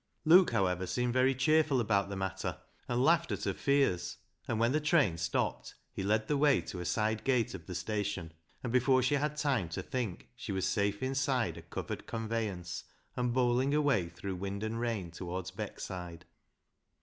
Luke, however, seemed very cheerful about the matter, and laughed at her fears, and when the train stopped, he led the way to a side gate of the station, and before she had time to think, she was safe inside a covered convey ance, and bowling away through wind and rain towards Beckside.